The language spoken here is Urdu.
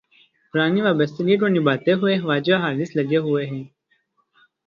پرانی وابستگی کو نبھاتے ہوئے خواجہ حارث لگے ہوئے ہیں۔